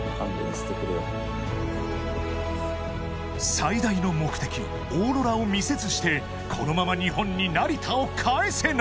［最大の目的オーロラを見せずしてこのまま日本に成田を帰せない］